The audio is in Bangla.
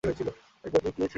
একদম জিভ টেনে ছিঁড়ে ফেলবো!